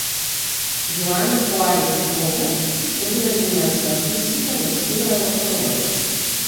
Joana Juárez Roura és una gimnasta artística nascuda a Barcelona.